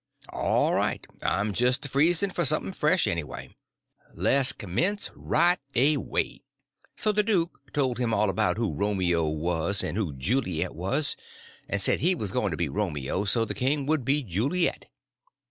"All right. I'm jist a freezn' for something fresh, anyway. Le's commence right away." So the duke he told him all about who Romeo was and who Juliet was, and said he was used to being Romeo, so the king could be Juliet.